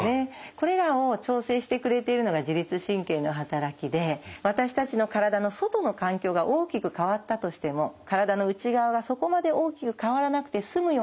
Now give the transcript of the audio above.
これらを調整してくれているのが自律神経の働きで私たちの体の外の環境が大きく変わったとしても体の内側がそこまで大きく変わらなくて済むように微調整をする。